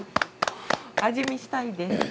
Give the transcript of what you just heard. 味見したいです。